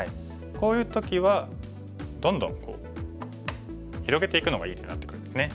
こういう時はどんどん広げていくのがいい手になってくるんですね。